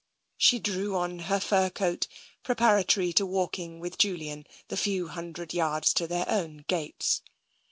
She drew on her fur coat, preparatory to walking with Julian the few hundred yards to their own gates.